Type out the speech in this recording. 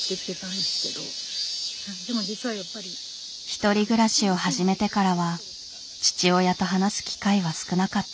１人暮らしを始めてからは父親と話す機会は少なかった。